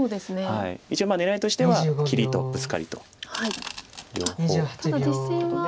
一応狙いとしては切りとブツカリと両方ということで。